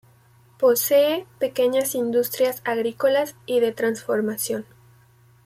Posee pequeñas industrias agrícolas y de transformación.